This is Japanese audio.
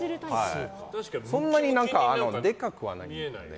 そんなにでかくはない。